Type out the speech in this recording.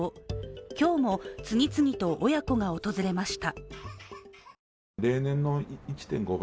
今日も次々と親子が訪れました。